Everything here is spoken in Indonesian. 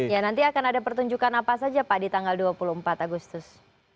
ya nanti akan ada pertunjukan apa saja pak di tanggal dua puluh empat agustus